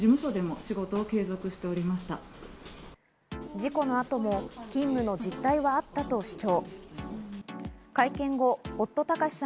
事故の後も勤務の実態はあったと主張。